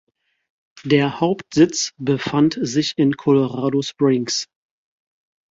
Der Hauptsitz befand sich in Colorado Springs.